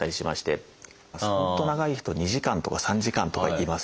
本当長い人は２時間とか３時間とかいますね。なるほど。